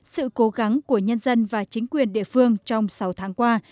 sự cố gắng của nhân dân và chính quyền địa phương trong sáu tháng qua